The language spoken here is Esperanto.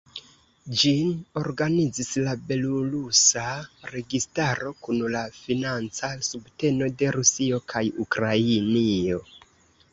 Ĝin organizis la belorusa registaro kun la financa subteno de Rusio kaj Ukrainio.